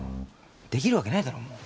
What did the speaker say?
できるわけないだろう。